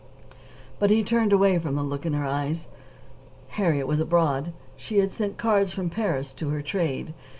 But he turned away from the look in her eyes. Harriet was abroad. She had sent cards from Paris to her "trade."